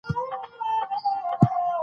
د عاليقدر اميرالمؤمنين حفظه الله تعالی